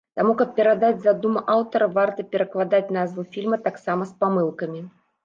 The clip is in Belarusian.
Таму, каб перадаць задуму аўтара, варта перакладаць назву фільма таксама з памылкамі.